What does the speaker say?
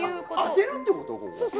当てるってこと？